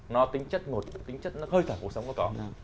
nó tính chất ngột tính chất hơi thở cuộc sống có có